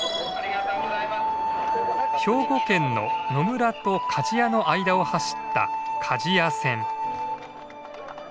兵庫県の野村と鍛冶屋の間を走った鍛冶屋線。